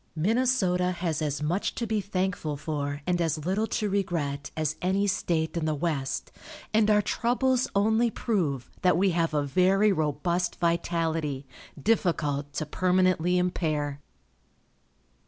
Minnesota has as much to be thankful for and as little to regret as any state in the West, and our troubles only prove that we have a very robust vitality, difficult to permanently impair.